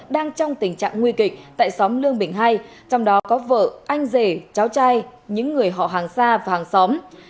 đang trong tình trạng nguy kịch tại xóm lương bình hai trong đó có vợ anh rể cháu trai những người họ hàng xa và hàng xóm